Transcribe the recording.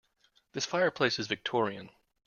This fireplace is Victorian.